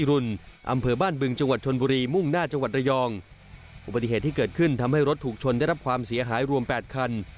อุปสิทธิ์ที่เกิดขึ้นทำให้รถถูกชนได้รับความเสียหายรวม๘คัน